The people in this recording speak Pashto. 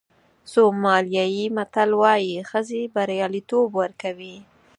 سومالیایي متل وایي ښځې بریالیتوب ورکوي.